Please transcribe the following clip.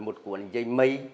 mấy cái mây